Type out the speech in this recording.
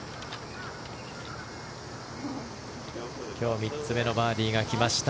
今日３つ目のバーディーが来ました。